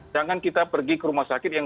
jangan kita pergi ke rumah sakit yang